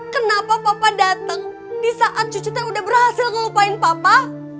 kenapa papa dateng disaat cucu teh udah berhasil ngelupain papa